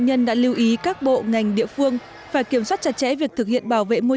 nhân đã lưu ý các bộ ngành địa phương phải kiểm soát chặt chẽ việc thực hiện bảo vệ môi